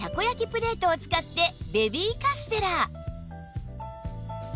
プレートを使ってベビーカステラ